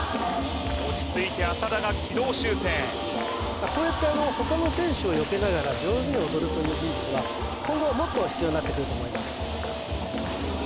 落ち着いて浅田が軌道修正こうやって他の選手をよけながら上手に踊るという技術は今後もっと必要になってくると思います